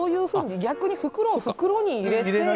逆に袋を袋に入れて？